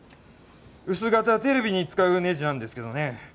薄型テレビに使うねじなんですけどね。